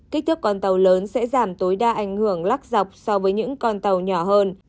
kích thước con tàu lớn sẽ giảm tối đa ảnh hưởng lắc dọc so với những con tàu nhỏ hơn